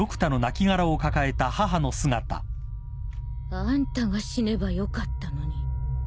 あんたが死ねばよかったのに。